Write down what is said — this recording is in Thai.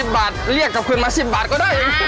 พอ๑๐บาทเรียกกับคุณมา๑๐บาทก็ได้